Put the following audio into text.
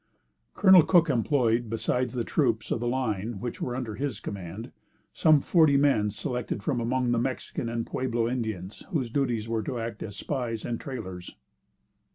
Col. Cook employed, besides the troops of the line which were under his command, some forty men selected from among the Mexican and Pueblo Indians, whose duties were to act as spies and trailers.